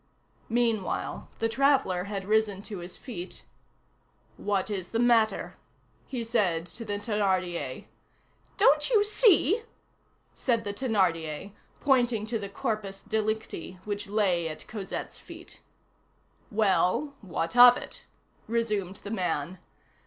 Meanwhile, the traveller had risen to his feet. "What is the matter?" he said to the Thénardier. "Don't you see?" said the Thénardier, pointing to the corpus delicti which lay at Cosette's feet. "Well, what of it?" resumed the man.